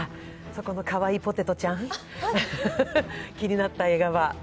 そこのかわいいポテトちゃん、気になった映画は？